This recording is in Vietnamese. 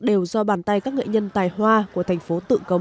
đều do bàn tay các nghệ nhân tài hoa của thành phố tự cống chế tác